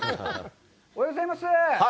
おはようございます。